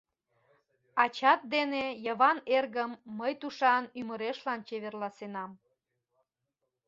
Ачат дене, Йыван эргым, мый тушан ӱмырешлан чеверласенам.